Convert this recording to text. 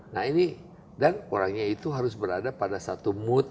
nah ini dan orangnya itu harus berada pada satu mood